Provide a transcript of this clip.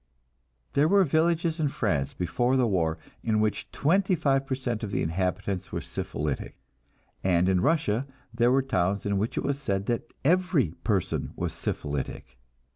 There were villages in France before the war in which twenty five per cent of the inhabitants were syphilitic, and in Russia there were towns in which it was said that every person was syphilitic.